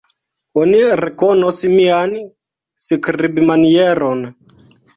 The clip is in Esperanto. Oni rekonos mian skribmanieron.